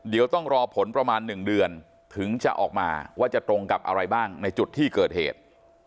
เดี๋ยวต้องรอผลประมาณ๑เดือนถึงจะออกมาว่าจะตรงกับอะไรบ้างในจุดที่เกิดเหตุ